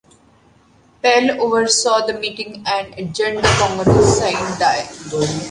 Pell oversaw the meeting and adjourned the Congress "sine die".